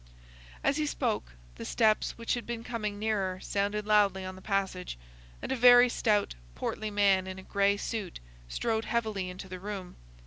As he spoke, the steps which had been coming nearer sounded loudly on the passage, and a very stout, portly man in a grey suit strode heavily into the room.